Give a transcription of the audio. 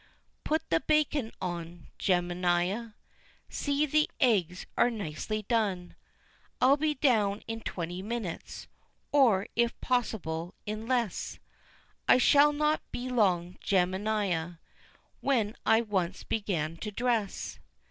Put the bacon on, Jemima; see the eggs are nicely done! I'll be down in twenty minutes or, if possible, in less; I shall not be long, Jemima, when I once begin to dress.